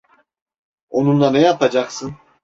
Onunla ne yapacaksın?